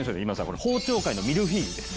これ包丁界のミルフィーユです。